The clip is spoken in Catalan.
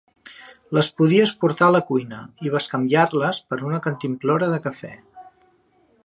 Les podies portar a la cuina i bescanviar-les per una cantimplora de cafè.